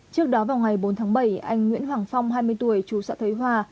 trước đó vào ngày bốn tháng bảy anh nguyễn hoàng phong hai mươi tuổi chú xã thới hòa